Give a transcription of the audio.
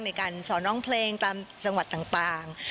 ในการสอนร้องเพลงตามจังหวัดต่าง